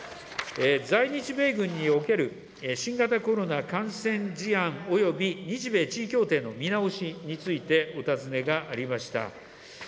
在日米軍における新型コロナ感染事案および日米地位協定の見直しについてお尋ねがありました。